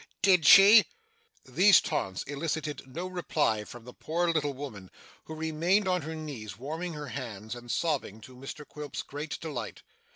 Did she?' These taunts elicited no reply from the poor little woman, who remained on her knees, warming her hands, and sobbing, to Mr Quilp's great delight.